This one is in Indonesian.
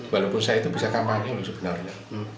walaupun saya itu bisa kampanye sebenarnya